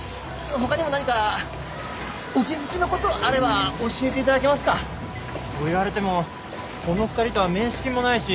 他にも何かお気づきの事あれば教えて頂けますか？と言われてもこの２人とは面識もないし。